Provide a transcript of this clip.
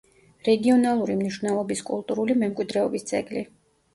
რეგიონალური მნიშვნელობის კულტურული მემკვიდრეობის ძეგლი.